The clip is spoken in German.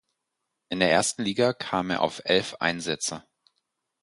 In der ersten Liga kam er auf elf Einsätze.